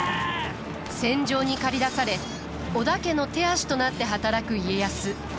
戦場に駆り出され織田家の手足となって働く家康。